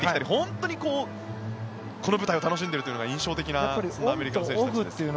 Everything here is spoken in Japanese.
本当にこの舞台を楽しんでいるのが印象的なアメリカの選手たちです。